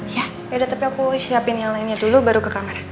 ya beda tapi aku siapin yang lainnya dulu baru ke kamar